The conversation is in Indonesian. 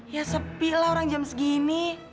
ya sepi lah orang jam segini